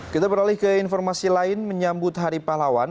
kita beralih ke informasi lain menyambut hari pahlawan